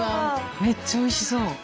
めっちゃおいしそう。